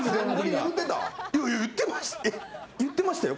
言ってましたよ